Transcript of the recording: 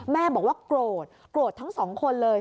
แม่บอกว่ากรวดรวดทั้งสองคนเลย